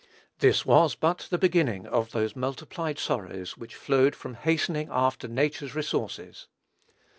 This was but the beginning of those multiplied sorrows which flowed from hastening after nature's resources.